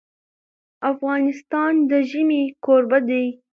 افغانستان د ژمی کوربه دی.